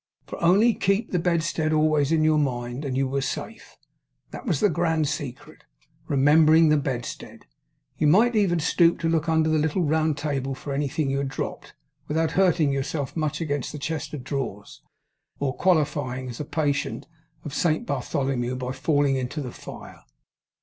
For only keep the bedstead always in your mind; and you were safe. That was the grand secret. Remembering the bedstead, you might even stoop to look under the little round table for anything you had dropped, without hurting yourself much against the chest of drawers, or qualifying as a patient of Saint Bartholomew, by falling into the fire.